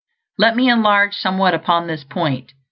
Let me enlarge somewhat upon this point.